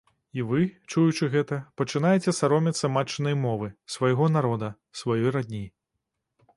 І вы, чуючы гэта, пачынаеце саромецца матчынай мовы, свайго народа, сваёй радні.